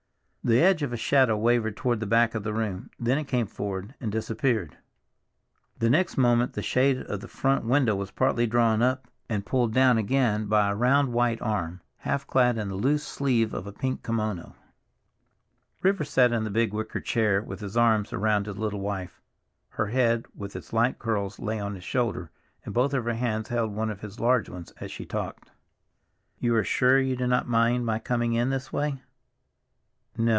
The edge of a shadow wavered toward the back of the room; then it came forward and disappeared. The next moment the shade of the front window was partly drawn up and pulled down again by a round white arm, half clad in the loose sleeve of a pink kimono. RIVERS sat in the big wicker chair with his arms around his little wife. Her head, with its light curls, lay on his shoulder, and both of her hands held one of his large ones as she talked. "You are sure you do not mind my coming in this way?" "No.